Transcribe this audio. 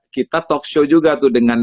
kita talkshow juga tuh dengan